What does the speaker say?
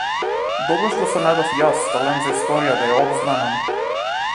Добро што се најдов јас, талент за историја, да ја обзнанам.